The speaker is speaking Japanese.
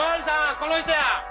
この人や。